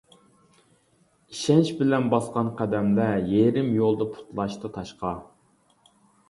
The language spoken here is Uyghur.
ئىشەنچ بىلەن باسقان قەدەملەر، يېرىم يولدا پۇتلاشتى تاشقا.